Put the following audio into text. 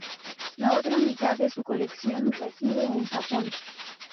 La otra mitad de su colección reside en Japón.